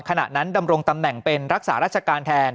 ขณะนั้นดำรงตำแหน่งเป็นรักษาราชการแทน